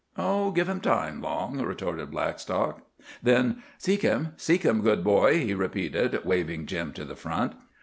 "Oh, give him time, Long," retorted Blackstock. Then—— "Seek him! Seek him, good boy," he repeated, waving Jim to the front.